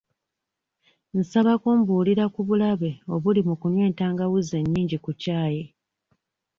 Nsaba kumbuulira ku bulabe obuli mu kunywa entangawuuzi ennyingi ku ccaayi.